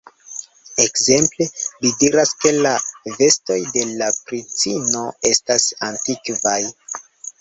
Ekzemple, li diras, ke la vestoj de la princino estas antikvaj.